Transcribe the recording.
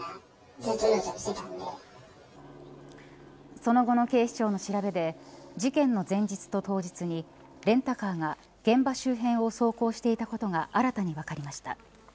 その後の警視庁の調べで事件の前日と当日にレンタカーが現場周辺を走行していたことが新たに分かりました。